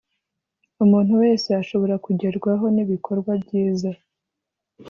Umuntu wese ashobora kugerwaho nibikorwa byiza